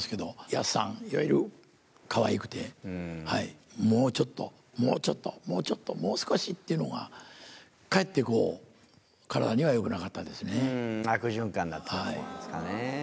やすさん、いわゆる、かわいくて、もうちょっと、もうちょっと、もうちょっと、もう少しっていうのが、かえってこう、悪循環だったんですかね。